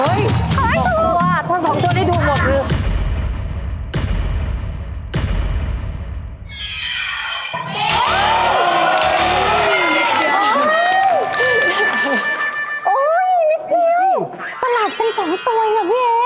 โอ้ยยยยนิดเดียวสลัดเป็น๒ตัวเหรอพี่เอ๊ะ